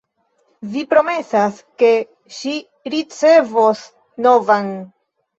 Vi promesas, ke ŝi ricevos novan.